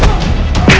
kalian gak akan nyesel